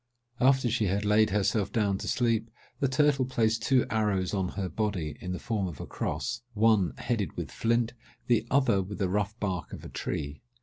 After she had laid herself down to sleep, the turtle placed two arrows on her body, in the form of a cross—one headed with flint, the other with the rough bark of a tree.